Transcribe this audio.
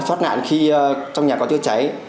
phát nạn khi trong nhà có cháy cháy